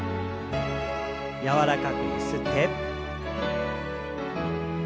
柔らかくゆすって。